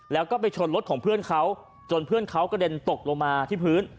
แล้วก็ไปชนรถของเพื่อนเขาจนเพื่อนเขากระเด็นตกลงมาที่พื้น